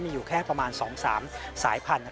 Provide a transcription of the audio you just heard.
มีอยู่แค่ประมาณ๒๓สายพันธุ